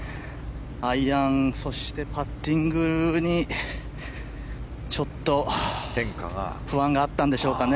アイアン、そしてパッティングにちょっと不安があったんでしょうかね。